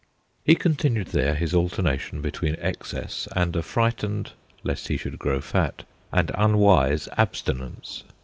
He continued there his alternation be tween excess and a frightened lest he should grow fat and unwise abstinence.